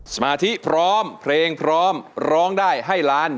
สมาธิพร้อมเพลงพร้อมร้องได้ให้ล้าน